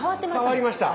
変わりました。